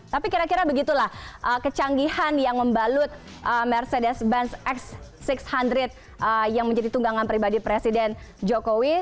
tapi kira kira begitulah kecanggihan yang membalut mercedes benz x enam ratus yang menjadi tunggangan pribadi presiden jokowi